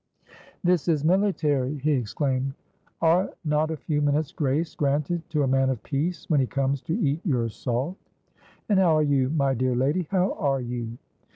"This is military!" he exclaimed. "Are not a few minutes' grace granted to a man of peace, when he comes to eat your salt? And how are you, my dear lady? How are you?"